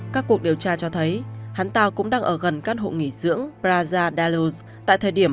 các cuộc điều tra cho thấy hắn ta cũng đang ở gần các hộ nghỉ dưỡng plaza dallas tại thời điểm